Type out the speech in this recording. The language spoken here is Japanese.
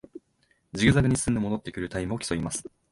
ジグザグに進んで戻ってくるタイムを競います